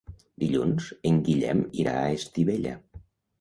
Dilluns en Guillem irà a Estivella.